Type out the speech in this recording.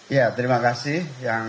ya terima kasih